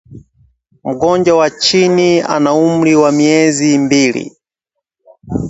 Mgonjwa wa chini ana umri wa miezi mbili